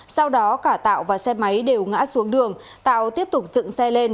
sau đó cả tạo và xe máy đều ngã xuống đường tạo tiếp tục dựng xe lên